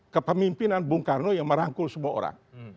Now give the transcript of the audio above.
kepemimpinan bung karno yang merangkul semua orang